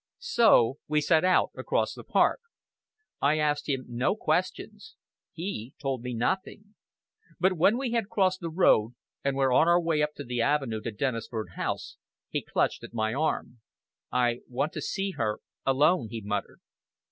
So we set out across the park. I asked him no questions. He told me nothing. But when we had crossed the road, and were on our way up the avenue to Dennisford House, he clutched at my arm. "I want to see her alone," he muttered.